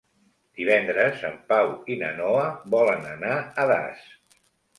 Divendres en Pau i na Noa volen anar a Das.